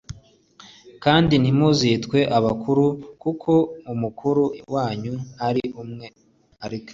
Kandi ntimuzitwe abakuru kuko umukuru wanyu ari umwe, ari Kristo."